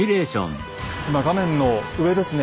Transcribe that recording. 今画面の上ですね